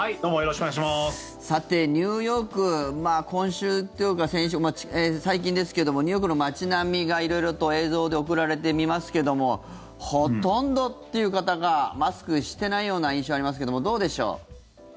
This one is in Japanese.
さて、ニューヨーク今週というか先週、最近ですけどニューヨークの街並みが色々と映像で送られて見ますけどもほとんどという方がマスクしてないような印象がありますけどもどうでしょう？